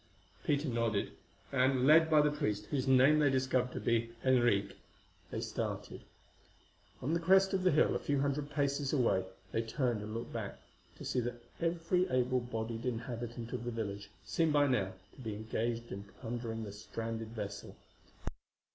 Peter nodded, and, led by the priest, whose name they discovered to be Henriques, they started. On the crest of the hill a few hundred paces away they turned and looked back, to see that every able bodied inhabitant of the village seemed by now to be engaged in plundering the stranded vessel.